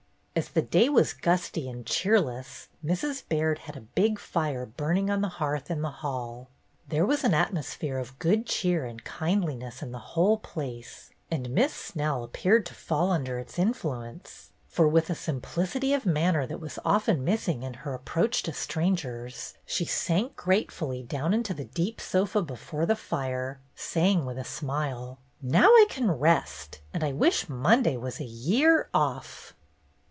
As the day was gusty and cheerless, Mrs. Baird had a big fire burning on the hearth in the hall. There was an atmosphere of good cheer and kindliness in the whole place, and MISS SNELUS VISIT 273 Miss Snell appeared to fall under its influence, for with a simplicity of manner that was often missing in her approach to strangers, she sank gratefully down into the deep sofa before the fire, saying, with a smile: "Now I can rest, and I wish Monday was a year off